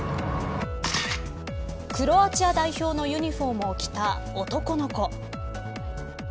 クロアチア代表のユニホームを着た男の子。